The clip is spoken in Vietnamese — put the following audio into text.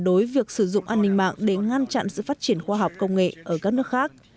đối việc sử dụng an ninh mạng để ngăn chặn sự phát triển khoa học công nghệ ở các nước khác